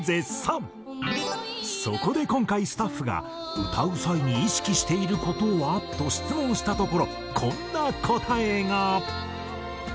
そこで今回スタッフが「歌う際に意識している事は？」と質問したところこんな答えが。